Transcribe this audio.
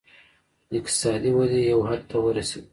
د اقتصادي ودې یو حد ته ورسېدل.